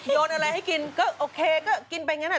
โยนอะไรให้กินก็กินไปยังไงเขาแหล่ะอ่ะ